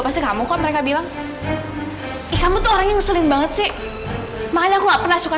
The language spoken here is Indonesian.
pasti kamu kok mereka bilang eh kamu tuh orang yang sering banget sih makanya aku nggak pernah suka